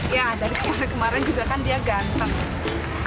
ya dari kemarin kemarin juga kan dia ganteng